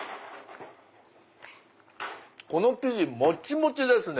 この生地もちもちですね。